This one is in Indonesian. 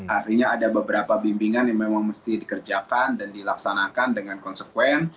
artinya ada beberapa bimbingan yang memang mesti dikerjakan dan dilaksanakan dengan konsekuen